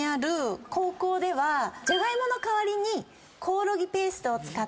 ジャガイモの代わりに。